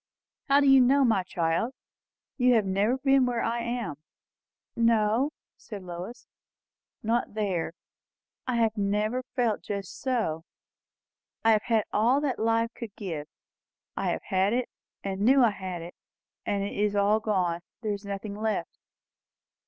"How do you know, my child? You have never been where I am." "No," said Lois, "not there. I have never felt just so." "I have had all that life could give. I have had it, and knew I had it. And it is all gone. There is nothing left."